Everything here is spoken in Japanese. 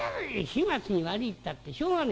「始末に悪いたってしょうがねえ。